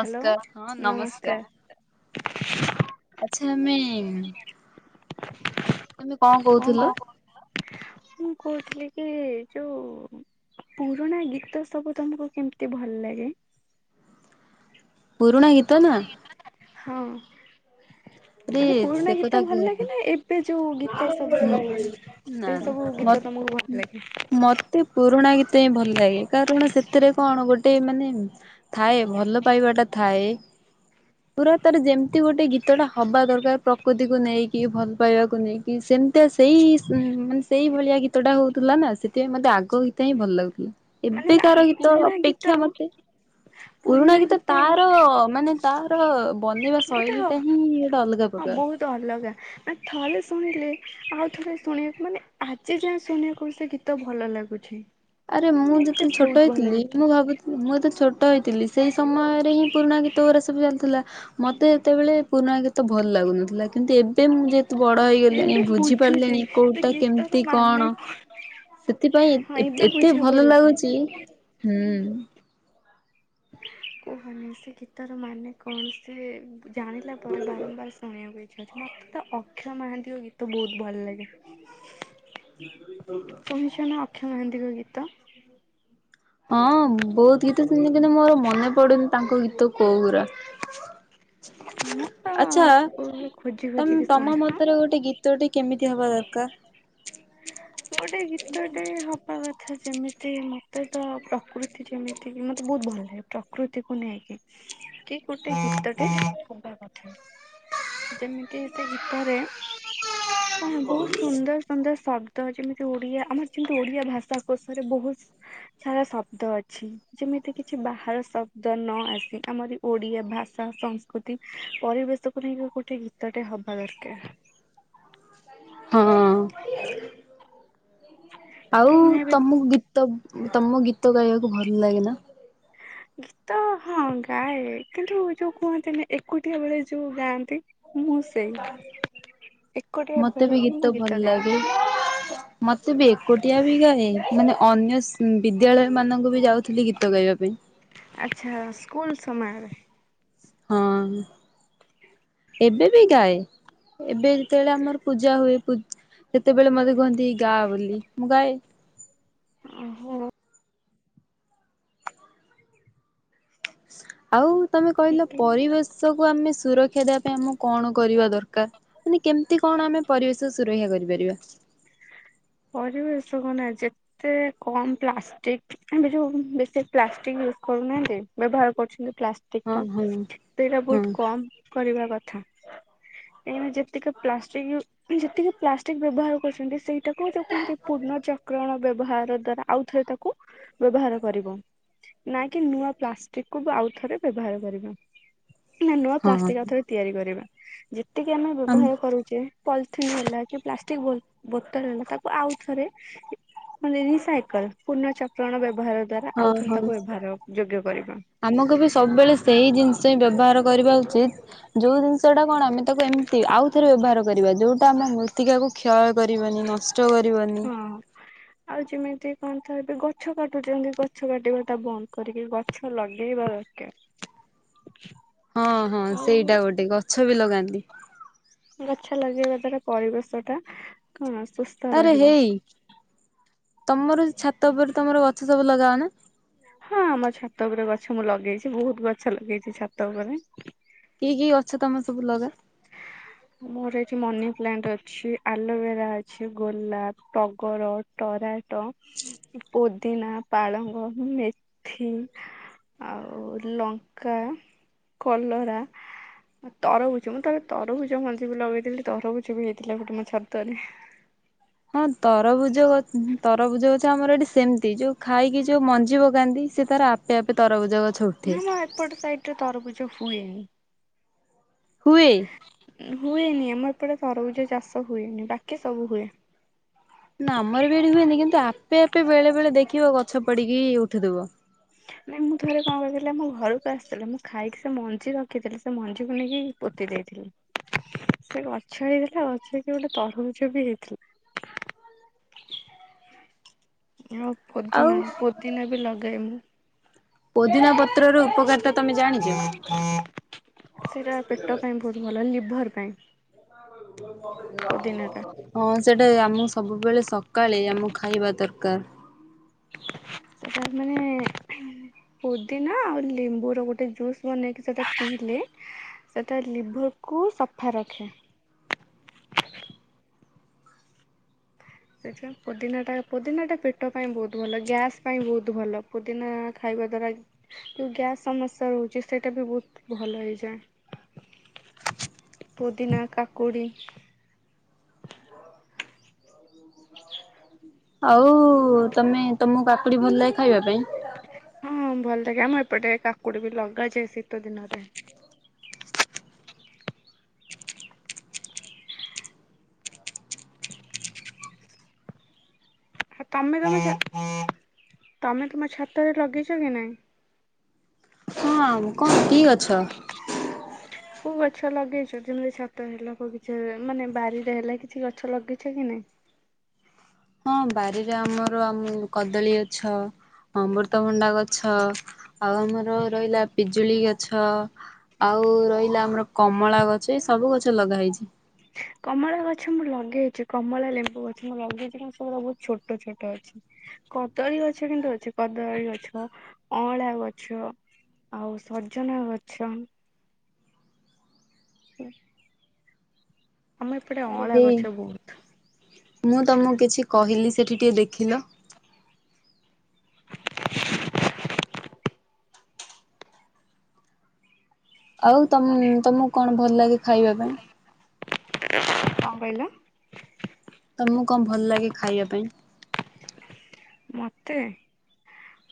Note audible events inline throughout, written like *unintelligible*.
Hello ହଁ ନମସ୍କାର। ଆଚ୍ଛା ଆମେ ତମେ କଣ କହୁଥିଲ? ମୁଁ କହୁଥିଲି କି ଯୋଉ ପୁରୁଣା ଗୀତ ସବୁ ତମକୁ କେମିତି ଭଲ ଲାଗେ? ପୁରୁଣା ଗୀତ ନା! ହଉ। ଆରେ ସେ କଥା ଲାଗେ କୁହନା ନା ଏବେ ଯୋଉ ଗୀତ ସବୁ ନା ନା ସେଇ ସବୁ ଗୀତ ମତ୍ ତମକୁ ଭଲ ଲାଗେ ମତେ ପୁରୁଣା ଗୀ ଥି ପାଇଁ ଭଲ ଲାଗେ କାରଣ ସେଥିରେ କଣ ଗୋଟେ ମାନେ ଥାଏ ଭଲ ପାଇବା ଟା ଥାଏ ପୁରା ତାର ଯେମିତି ଗୋଟେ ଗୀତ ଟା ହବା ଦରକାର ପ୍ରକୃତିକୁ ନେଇକି ଭଲ ପାଇବାକୁ ନେଇକି ସେମିତିଆ ସେଇ ମାନେ ସେଇ ଭଳିଆ ଗୀତଟା ହଉଥିଲା ନା ସେଥିପାଇଁ ମତେ ଆଗ ଗୀତ ହିଁ ଭଲ ଲାଗୁଥିଲା। ମାନେ ଆ ଏବେକାରା ଗୀତ ପୁରୁଣା ଗୀତ ଅପେକ୍ଷା ମତେ ପୁରୁଣା ଗୀତ ତାର ମାନେ ତାର ବନେଇବା ଗୋଟେ ଶୈଳୀଟା ହିଁ ଅଲଗା ହଁ ପ୍ରକାର। ବହୁତ ଅଲଗା ଆ ଥରେ ଶୁଣିଲେ ଆଉ ଥରେ ଶୁଣିବାକୁ ମାନେ ଆଜି ଯାଏଁ ଶୁଣିବାକୁ ବି ସେ ଗୀତ ଭଲ ଲାଗୁଛି। ଆରେ ମୁଁ ଏତେ ଯେତେବେଳେ ଛୋଟ ବହୁତ ଭଲ ହେଇଥିଲି ଗୀତ। ମୁଁ ଭାବୁଥିଲି ମୁଁ ଏତ ଛୋଟ ଟ ହେଥିଲି ସେଇ ସମୟରେ ହିଁ ପୁରୁଣା ଗୀତ ଗୁଡ଼ା ସବୁ ଚାଲିୁଥିଲା ମୋତେ ଯେତେବେଳେ ପୁରୁଣା ଗୀତ ଭଲ ଲାଗୁନଥିଲା କିନ୍ତୁ ଏବେ ମୁଁ ଯେ ବଡ ହେଇଗଲେଣି ଏବେ ବୁଝୁଛି ବୁଝିପାରିଲେଣି ସେ କୋଉଟା ଗୀତର କେମିତି ମାନେ କଣ ସେଥିପାଇଁ ହଁ ଏବେ ଏତେ ବୁଝା ଭଲ ପଡୁଛି ଲାଗୁଛି ହୁଁ *inaudible* କୁହନି ସେ ଗୀତର ମାନେ କଣ ସେ ଜାଣିଲା ପରେ ବାରମ୍ବାର ଶୁଣିବାକୁ ମତେ ତ ଅକ୍ଷୟ ମହାନ୍ତିଙ୍କ ଗୀତ ବହୁତ ଭଲ ଲାଗେ। କମଶନା ଅକ୍ଷ ମହାନ୍ତିଙ୍କ ଗୀ ତ ହଁ ବହୁତ ଗୀ ଗୀତ ଶୁଣିଚି କିନ୍ତୁ ମୋର ମନେ ପଡୁନି ତାଙ୍କ ଗୀତ କୋଉଗୁରା ମୁଁ ତ ଆଛା ସବୁବେଳେ ଖୋଜି ତ ଖୋଜିକି ଶୁଣେ ତମ ହଁ ମତରେ ଗୋଟେ ଗୀତଟେ କେମିତି କି ହବା ଦରକାର ଗୋଟେ ଗୀତ ଟେ ହବା କଥା ସେମିତି ମୋତେ ତ ପ୍ରକୃତି ଯେମିତି ମୋତେ ବହୁତ ଭଲ ଲାଗେ ପ୍ରକୃତିକୁ ନେଇକି କି ଗୋଟେ ଗୀତଟେ ଯେମିତି ସେ ଗୀତରେ କଣ ବହୁତ ସୁନ୍ଦର ସୁନ୍ଦର ଶବ୍ଦ ଯେମିତି ଓଡିଆ ଆମର ଯେମିତି ଓଡିଆ ଭାଷା କୋଷରେ ବହୁତ ସାରା ଶବ୍ଦ ଅଛି ଯେମିତି କିଛି ବାହାର ଶବ୍ଦ ନ ଆସି ଆମରି ଓଡିଆ ଭାଷା ସଂସ୍କୃତି ପରିବେଶକୁ ନେଇକି ଗୋଟେ ଗୀତଟେ ହବା ଦରକାର। ହଁ। ଆଉ କାହିଁକି ନା ଏବେ ତମକୁ ଗୀ ତ ତମକୁ ଗୀତ ଗାଇବାକୁ ଭଲ ଲାଗେ ନା? ଗୀତ ହଁ ଗାଏ କିନ୍ତୁ ଯୋଉ କୁହନ୍ତି ନା ଏକୁଟିଆ ବେଳେ ଯୋଉ ଗା ଏକୁଟିଆ ମତେ ବି ବେଳେ ହିଁ ଗୀତ ମୁଁ ଭଲ ଗାଏ ଲାଗେ ମତେ ବି ଏକୁଟିଆ ବି ଗାଏ ମାନେ ଅନ୍ୟ ସ ବିଦ୍ୟାଳୟ ମାନଙ୍କୁ ବି ଯାଉ ଥିଲି ଗୀତ ଗାଇବା ପାଇଁ ଆଚ୍ଛା ସ୍କୁଲ ସମୟରେ ହଁ ଏବେ ବି ଗାଏ ଏବେ ଯେତେବେଳେ ଆମର ପୂଜା ହୁଏ ସେତେବେଳେ ମତେ କୁହନ୍ତି ଗା ବୋଲି ମୁଁ ଗାଏ। ହଁ। ଆଉ। ତମେ କହିଲ ପରିବେଶକୁୁ ଆମେ ସୁରକ୍ଷା ଦେବା ପାଇଁ ଆମକୁ କଣ କରିବା ଦରକାର ମାନେ କେମତି କଣ ଆମେ ପରିବେଶ ସୁରକ୍ଷା କରିପାରିବା? ପରିବେଷ କୁ ନା ଯେତେ କମ ପ୍ଲାଷ୍ଟିକ ଏବେ ଯୋଉ ବେଶୀ ପ୍ଲାଷ୍ଟିକ ୟୁଜ କରୁନାହାନ୍ତି ବ୍ୟବହାର କରୁଛନ୍ତି ପ୍ଲାଷ୍ଟିକ ହଁ ଟା ହଁ ସେଇଟା ବହୁତ ହଁ କମ କରିବା କଥା କାହିଁକି ନା ଯେତିକ ପ୍ଲାଷ୍ଟିକ ହ ଯେତିକ ପ୍ଲାଷ୍ଟିକ ବ୍ୟବହାର କରୁଛନ୍ତି ସେ ଏଇଟାକୁ ଯୋଉ କହନ୍ତି ପୂର୍ଣଚକ୍ରଣ ବ୍ୟ ଵାର ଦ୍ୱାରା ଆଉ ଥରେ ତାକୁ ବ୍ୟବହାର କରିବ ନା କି ନୂଆ ପ୍ଲାଷ୍ଟିକ କୁ ଆଉ ଥରେ ବ୍ୟବହାର କରିବ। ନା ନୂଆ ପ୍ଲାଷ୍ଟିକ୍ ଆ ହଁ ଥରେ ତିଆରି କରିବା। ଯେ ସେତିକେ ଆମେ ଆମ ବ୍ୟବହାର କରୁଚେ ପଲିଥିନ୍ ହେଲା କି ପ୍ଲା କି- ବ- ବ ତାକୁ ଆଉ ଥରେ ମାନେ ରିସାଇକଲ୍ ପୁନଚକ୍ରଣ ବ୍ୟବହାର ଦ୍ଵାରା ହଁ ଆଉଥରେ ହଁ ତାକୁ ବ୍ୟବହାର ଯୋଗ୍ୟ କରିବା। ଆମକୁ ବି ସବୁବେଳେ ସେଇ ଜିନିଷ ହିଁ ବ୍ୟବହାର କରିବା ଉଚିତ ଯୋଉ ଜିନିଷ ଟା କଣ ଆମେ ତାକୁ ଏମିତି ଆଉ ରେ ବ୍ୟବହାର କରିବା ଯୋଉଟା ଆମ ମୃତ୍ତିକାକୁ କ୍ଷୟ କରିବନି ନଷ୍ଟ କରିବନି ପଣ ତ ଏବେ ଗଛ କାଟୁଛନ୍ତି ଗଛ କାଟିବା ଟା ବନ୍ଦ କରିକି ଗଛ ଲଗେଇବା ଦରକାର। ହଁ ହଁ ଆଉ ସେଇଟା ଗୋଟେ ଗଛ ବି ଲଗାନ୍ତି। ଗଛା ଲାଗେଇବା ଟା ର ପରିବେସ ଟା। ହଁ ସୁସ୍ଥ ଆରେ ରହିବ। ହେଇ ତମର ଛାତ ଉପରେ ତମର ଗଛ ସବୁ ଲଗାଅ ନା। ହଁ ଆମ ଛାତ ଉପରେ ଗଛ୍ ଗଛ ମୁଁ ଲଗେଇଛି ବହୁତ ଗଛ ଲଗେଇଛି ଛାତ ଉପରେ କି କି ଗଛ ତମେ ସବୁ ଲଗାଅ? ମୋର ଏଇଠି ମନେ ପ୍ଲାଣ୍ଟ ଅଛି ଆଲୋଭେରା ଅଛି ଗୋଲାପ ଟଗର ଟରାଟୋ ପୋଦିନା ପାଳଙ୍ଗ ମେଥି ଆଉ ଲଙ୍କା କଲରା ତରଭୁ ମୁଁ ତଲେ ତରଭୁଜ ମଞ୍ଜି ବି ଲଗେଇଥିଲି ତରଭୁଜ ବି ହେଇଥିଲା ଗୋଟେ ମୋ ଛାତରେ ହଁ ତରଭୁଜ ତରଭୁଜ ଗଛ ଆମର ଏଠି ସେମିତି ଯୋଉ ଖାଇକି ଯୋଉ ମଞ୍ଜି ପକାନ୍ତି ସେ ତାର ଆପେ ଆପେ ତରଭୁଜ ଗଛ ଉଠେ ନା ମୁଁ ଏପଟ ସାଇଡ ରେ ତରବୁ *unintelligible* ହୁଏନି। ହୁଏ। ହୁଏନି ଆମର ଏପଟେ ତରଭୁଜ ଚାଷ ହୁଏନି ବାକି ସବୁ ହୁଏ। ନା ଆମର ବି ଏଠି ହୁଏନି କିନ୍ତୁ ଆପେ ଆପେ ବେଳେ ବେଳେ ଦେଖିବ ଗଛ ପଡିକି ଉଠୁଥିବ। ନାଇଁ ମୁଁ ଥରେ କଣ କରିଥିଲି ମୋ ଘରୁ ଆସିଥିଲେ ମୁଁ ଖାଇକି ସେ ମଞ୍ଜି ରଖିଥିଲି ସେ ମଞ୍ଜିକୁ ନେଇକି ପୋତି ଦେଇଥିଲି ସେ ଗଛ ହେଇଥିଲା ଗଛ ହେଇକି ଗୋଟେ ତରଭୂଜ ବି ହେଇଥିଲା। ଓଁ ଆଉ ପୁଦିନା ପୋଦିନା ବି ଲଗାଏ ମୁଁ ପୋଦିନା ପତ୍ର ର ଉପକାରତା *inaudible* ସେଟା ପେଟ ପାଇଁ ବହୁତ ଭଲ ଲିଭର୍ ପାଇଁ *unintelligible* ପୋଦିନା ଟା। ହଁ ସେଟା ଆମକୁ ସବୁବେଳେ ସକାଳେ ଆମକୁ ଖାଇବା ଦରକାର। ସେଟା ମାନେ ଉ-ହୁ ପୋଦିନା ଆଉ ଲେମ୍ବୁ ର ଗୋଟେ ଜୁସ୍ ବନେଇକି ସେଟା ପିଇଲେ ସେଟା ଲିଭର କୁ ସଫା ରଖେ। ସେଠ ପୁଦିନା ଟା ପୁଦିନା ଟା ପେଟ ପାଇଁ ବହୁତ ଭଲ ଗ୍ୟାସ ପାଇଁ ବହୁତ ଭଲ ପୁଦିନା ଖାଇବା ଦ୍ଵାରା ଯୋଉ ଗ୍ୟାସ ସମସ୍ୟା ରହୁଛି ସେଇଟା ବି ବହୁତ ଭଲ ହେଇଯାଏ। ପୁଦିନା କାକୁଡି ଆଉ ତମେ ତମକୁ କାକୁଡି ଭଲ ଲାଗେ ଖାଇବା ପାଇଁ ହଁ ଭଲ ଲାଗେ ଆମ ଏପଟେ କାକୁଡି ବି ଲଗାଛେ ଶୀତ ଦିନରେ ତମେ ତମେ ତମ ଛାତରେ ଲଗେଇଛ କି ନାଇଁ ହଁ କଣ କି ଅ- ଗଛ କୋଉ ଗଛ ଲଗେଇଛ ଯେମିତି ଛାତ ହେଲା କୋଉ କିଛି ମାନେ ବାରିରେ ହେଲା କିଛି ଗଛ ଲଗେଇଛ କି ନାଇଁ? ହଁ ବାରିରେ ଆମର ଆମ କଦଳୀ ଗଛ ଅମୃତଭଣ୍ଡା ଗଛ ଆଉ ଆମର ରହିଲା ପିଜୁଳି ଗଛ ଆଉ ରହିଲା ଆମର କମଳା ଗଛ ଏ ସବୁ ଗଛ ଲଗା ହେଇଛି କମଳା ଗଛ ମୁଁ ଲଗେଇଛି କମଳା ଲେମ୍ବୁ ଗଛ ମୁଁ ଲଗେଇଛି କି ସେଗୁଡା ବହୁତ ଛୋଟ ଛୋଟ ଅଛି କଦଳୀ ଗଛ କିନ୍ତୁ ଅଛି କଦଳୀ ଗଛ ଅଁଳା ଗଛ ଆଉ ସଜନା ଗଛ *unintelligible* ଆମେ ଏପଟେ ଆରେ ଅଁଳା ହେଇ ଗଛ ବହୁତ ମୁଁ ତମକୁ କିଛି କହିଲି ସେଠି ଟିକେ ଦେଖିଲ ଆଉ ତ ତମକୁ କଣ ଭଲ ଲାଗେ ଖାଇବା ପାଇଁ? କଣ କହିଲ? ତମକୁ କଣ ଭଲ ଲାଗେ ଖାଇବା ପାଇଁ? ମୋତେ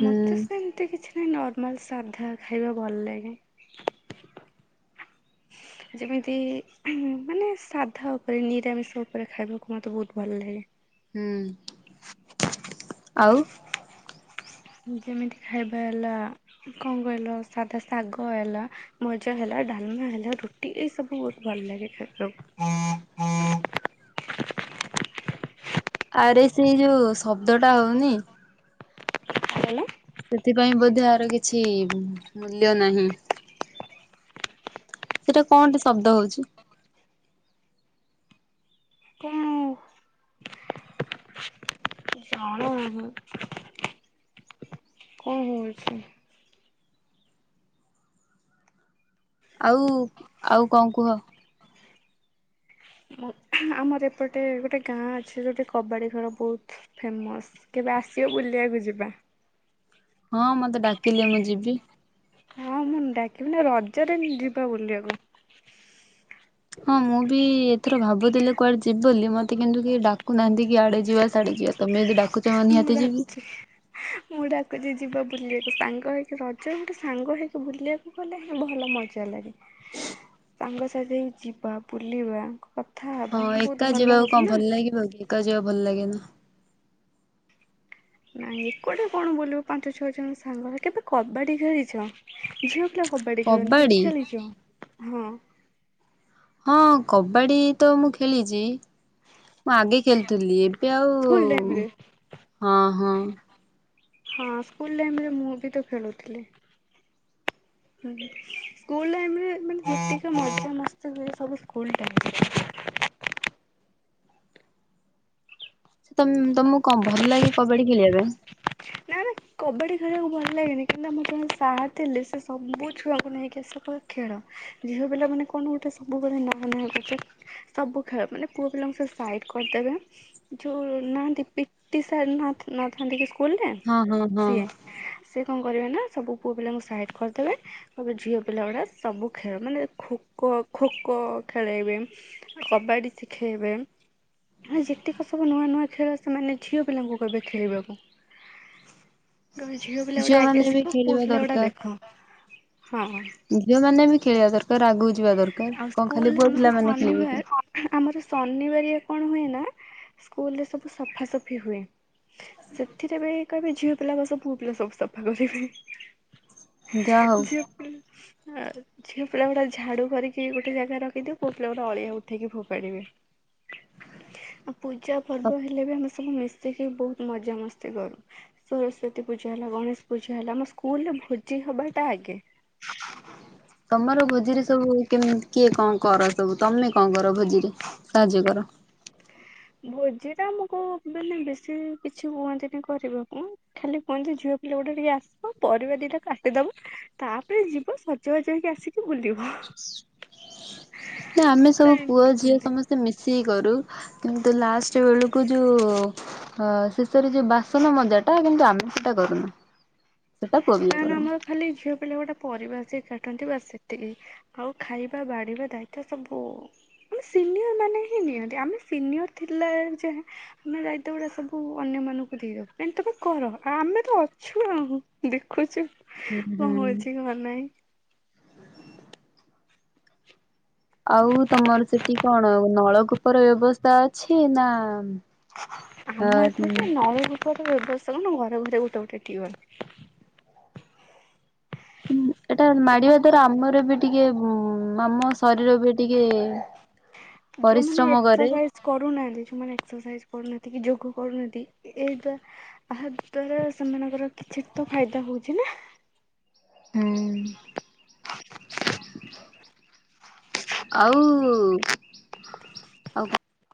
ହୁଁ ମୋତେ ସେମିତି କିଛି ନହିଁ ନୋଟ- ମାନେ ସାଧା ଖାଇବା ଭଲ ଲାଗେ ଯେମିତି ମାନେ ସାଧା ଉପରେ ନିରାମିଷ ଉପରେ ଖାଇବାକୁ ମୋତେ ବହୁତ ଭଲ ଲାଗେ ହୁଁ ଆଉ ଯେମିତି ଖାଇବା ହେଲା କଣ କହିଲ ସାଧା ଶାଗ ହେଲା ଭଜା ହେଲା ଡାଲମା ହେଲା ରୁଟି ଏଇ ସବୁ ବହୁତ ଭଲ ଲାଗେ ଖାଇବାକୁ। ଆରେ ସେଇ ଯୋଉ ଶବ୍ଦଟା ହଉନି? କଣ କହିଲ ସେଥିପାଇଁ ବୋଧେ ଆର କିଛି ମୂଲ୍ୟ ନାହିଁ। ସେଟା କଣ ଟା ଶବ୍ଦ ହଉଛି ଜଣା ନାହିଁ କଣ ହଉଛି ଆଉ ଆଉ କଣ କୁହ? ଆମର ଏପଟେ ଗୋଟେ ଗାଁ ଅଛି ଯୋଉଟି କବାଡି ଖେଳ ବହୁତ ଫେମସ କେବେ ଆସିବ ବୁଲିବାକୁ ଯିବା ହଁ ମୋତେ ଡାକିଲେ ମୁଁ ଯିବି ହଁ ମୁଁ ଡାକିବି ନା ରଜରେ ଯିବା ବୁଲିବାକୁ ହଁ ମୁଁ ବି ଏଥର ଭାବୁଥିଲି କୁଆଡେ ଯିବି ବୋଲି ମୋତେ କିନ୍ତୁ କି ଡାକୁନାହାନ୍ତି କି ଆଡେ ଯିବା ସିଆଡେ ଯିବା ତମେ ଯଦି ଡାକୁଛ ମୁଁ ନିହାତି ଯିବି ଡାକୁଛି ମୁଁ ଡାକୁଛି ଯିବା ବୁଲିବାକୁ ସାଙ୍ଗ ହେଇକି ରଜ ଗୋଟେ ସାଙ୍ଗ ହେଇକି ବୁଲିବାକୁ ଗଲେ ହଁ ଭଲ ମଜା ଲାଗେ ସାଙ୍ଗସାଥି ହେଇ ଯିବା ବୁଲିବା କଥା ହବା ହଁ ବହୁତ ଏକା ଭଲ ଯିବାକୁ ହବ କଣ ନା। ଭଲ ଲାଗିବ କି। କା ଯିବା ଭଲ ଲାଗେ ନା। ନାଇଁ ଏକୁଟିଆ କଣ ବୋଲିବୁ ପାଞ୍ଚ ଛଅ ଜଣ ସାଙ୍ଗରେ କେବେ କବାଡି ଖେଳିଚ? ଝିଅ ପିଲା କବାଡି ଖେଳନ୍ତି କେବେ ଚାଲିଚ ହଁ। ହଁ କବାଡି ତ ମୁଁ ଖେଳିଚି ମୁଁ ଆଗେ ଖେଲୁଥିଲି ଏବେ ଆଉ ସ୍କୁଲ ଟାଇମରେ ହଁ ହଁ। ହଁ ସ୍କୁଲ ଟାଇମ୍ ମୁଁ ବି ତ ଖେଳୁଥିଲି ହୁଁ ସ୍କୁଲ ଟାଇମ୍ ରେ ମାନେ ଯେତିକ ମଜା ମସ୍ତି ହୁଏ ସବୁ ସ୍କୁଲ ଟାଇମ୍ ରେ। ସେ ତମ ତମକୁ କଣ ଭଲ ଲାଗେ କବାଡ଼ି ଖେଳିବା ପାଇଁ? ନା ନା କବାଡି ଖେଳିବାକୁ ଭଲ ଲାଗେନି କିନ୍ତୁ ଆମର ଜଣେ ସାର୍ ଥିଲେ ସେ ସବୁ ଛୁଆଙ୍କୁ ନେଇକି ଆସିବେ କହିବେ ଖେଳ ଝିଅ ପିଲାମାନେ କଣ ଗୋଟେ ସବୁବେଳେ ନାହିଁ ନାହିଁ କରୁଚ ସବୁ ଖେଳ ମାନେ ପୁଅ ପିଲାଙ୍କୁ ସେ ସାଇଡ କରିଦେବେ ଯୋଉ ନାହାନ୍ତି ପିଟି ସାର ନଥ ନଥାନ୍ତି କି ସ୍କୁଲରେ? ହଁ ହଁ ହଁ। ସିଏ ସେ କଣ କରିବେ ନା ସବୁ ପୁଅ ପିଲାଙ୍କୁ ସାଇଡ କରିଦେବେ କହ ଝିଅ ପିଲା ଗୁଡା ସବୁ ଖେଳ ମାନେ ଖୋ ଖୋଖୋ ଖେଳେଇବେ କବାଡି ଶିଖେଇବେ ମାନ ଯେତିକ ସବୁ ନୂଆ ନୂଆ ଖେଳ ସେମାନେ ଝିଅ ପିଲାଙ୍କୁ କହିବେ ଖେଳିବାକୁ ଗରୁ ଝିଅ ପିଲା ଗୁଡ଼ା ଆଗେ ଝିଅମାନେ ବି ଶିଖ ପୁଅ ଖେଳିବା ପିଲା ଗୁଡ଼ା ଦରକାର ଦେଖ ହଁ ଆଉ ଝିଅମାନେ ବି ଖେଳିବା ଦରକାର ଆଗକୁ ଯିବା ଦରକାର କଣ ଖାଲି ସ୍କୁଲ ପୁଅ ଆମର ପିଲାମାନେ ଖେଳିବେ କି ଶନିବାର ଆମର ଶନିବାରିଆ କଣ ହୁଏ ନା ସ୍କୁଲ ରେ ସବୁ ସଫାସଫି ହୁଏ। ସେଥିରେ ବେଳେ କ ଝିଅ ପିଲା ବସ ପୁଅ ପିଲା ସବୁ ସଫା କରିବେ। ଯାହା ହଉ ଯେପ ଆ ଝିଅ ପିଲା ଗୋଟେ ଝାଡୁ କରିକି ଗୋଟେ ଜାଗାରେ ରଖିଥିବୁ ପୁଅ ପିଲାରା ଅଳିଆ ଉଠେଇକି ଫୋପାଡିବେ ଆଉ ପୂଜା ତ ପର୍ବ ହେଲେ ବି ଆମ ସବୁ ମିଶିକି ବହୁତ ମଜାମସ୍ତି କରୁ। ସରସ୍ଵତୀ ପୂଜା ହେଲା ଗଣେଶ ପୂଜା ହେଲା ଆମ ସ୍କୁଲରେ ଭୋଜି ହବାଟା ଆଗେ ତମର ଭୋଜିରେ ସବୁ କେମ? କିଏ କଣ କର ସବୁ ତମେ କଣ କର ଭୋଜିରେ ସାହାଯ୍ୟ କର? ଭୋଜି ଟା ଆମକୁ ବ ବେଶୀ କିଛି କୁହନ୍ତିନି କରିବାକୁ ଖାଲି କୁହନ୍ତି ଝିଅ ପିଲା ଗୋଟେ ଟିକେ ଆସିବ ପରିବା ଦିଟା କାଟିଦବ ତାପରେ ଯିବ ସଜବାଜ ହେଇକି ଆସିକି ବୁଲିବ। ନା ଆମେ ସେ ସବୁ ପୁଅ ଏମିତି ଝିଅ କୁହନ୍ତି ସମସ୍ତେ ମିଶିକି କରୁ। କିନ୍ତୁ ଲାଷ୍ଟ ବେଳକୁ ଯୋଉ ଶେଷରେ ଯୋଉ ବାସନ ମଜା ଟା କିନ୍ତୁ ଆମେ ସେଟା କରୁନୁ। ନା ନା ଆମର ଖାଲି ଝିଅ ପିଲା ଗୋଟେ ପରିବା ଆସିକି କାଟନ୍ତି ବା ସେତିକି ଆଉ ଖାଇବା ବାଢିବା ଦାୟିତ୍ୱ ସବୁ ଆମେ ସିନିୟର ମାନେ ହିଁ ନିଅନ୍ତି ଆମେ ସିନିୟର ଥିଲା ଯାଁ ଆମେ ଦାୟିତ୍ୱ ଗୁଡ଼ା ସବୁ ଅନ୍ୟମାନଙ୍କୁ ଦେଇଦେଉୁ ଏ ତମ କର ଆ ଆମେ ତ ଅଛୁ ଆଉ। ଦେଖୁଚୁ ହୁଁ କଣ ହୁଁ। ହୋଉଛି କଣ ନାହିଁ ଆଉ ତମର ସେଠି କଣ ନଳକୂପର ବ୍ୟବସ୍ଥା ଅଛି ନା? ଅ ଆମ ଏପଟେ ନଈ ଗୋଟେ ବ୍ୟବସ୍ଥା ଘର ଘର ଗୋଟେ ଗୋଟେ ଟିୱଲ୍ ଏଟା ମାଡିବା ଦ୍ଵାରା ଆମର ବି ଟିକେ ଆମ ଶରୀର ବି ଟିକେ ଯୋଉମାନେ ପରିଶ୍ରମ କରେ। ଏକ୍ସରସାଇଜ କରୁନାହାନ୍ତି ସେମାନେ ଏକ୍ସରସାଇଜ କରୁନାହାନ୍ତି କି ଯୋଗ କରୁନାହାନ୍ତି ଏ ଦ୍ଵା ଏହା ଦ୍ଵାରା ସେମାନଙ୍କର କିଛି ତ ଫାଇଦା ହଉଛି ନା। ହୁଁ ଆଉ ଆଉ କଣ